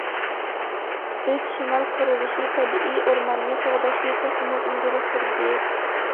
ئۈچ شىمال قۇرۇلۇشى تەبىئىي ئورماننى قوغداشنى تېخىمۇ ئىلگىرى سۈردى.